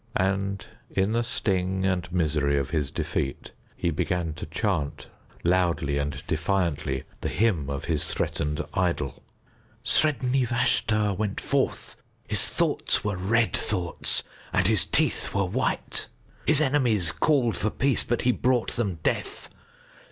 And in the sting and misery of his defeat, he began to chant loudly and defiantly the hymn of his threatened idol: Sredni Vashtar went forth, His thoughts were red thoughts and his teeth were white. His enemies called for peace, but he brought them death.